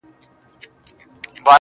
انسانه واه واه نو، قتل و قتال دي وکړ,